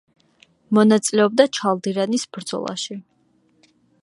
მონაწილეობდა ჩალდირანის ბრძოლაში.